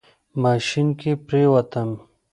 ماشين کې پرېوتم.